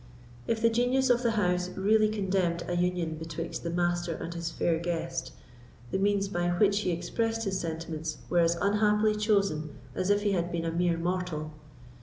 If the genius of the house really condemned a union betwixt the Master and his fair guest, the means by which he expressed his sentiments were as unhappily chosen as if he had been a mere mortal.